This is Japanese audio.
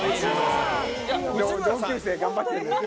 同級生、頑張ってるんだよ。